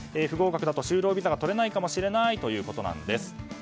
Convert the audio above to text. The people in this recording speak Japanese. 不合格だと就労ビザが取れないかもしれないということです。